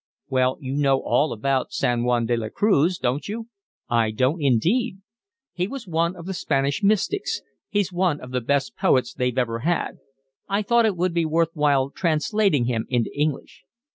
"Well, you know all about San Juan de la Cruz, don't you?" "I don't indeed." "He was one of the Spanish mystics. He's one of the best poets they've ever had. I thought it would be worth while translating him into English."